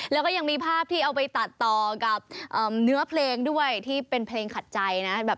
แล้วก็ยังมีภาพที่เอาไปตัดต่อกับเนื้อเพลงด้วยที่เป็นเพลงขัดใจนะ